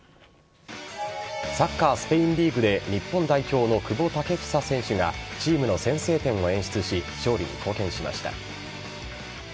サッカースペインリーグで、日本代表の久保建英選手がチームの先制点を演出し、勝利に貢献しました。